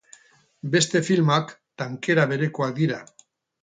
Beste filmak tankera berekoak dira.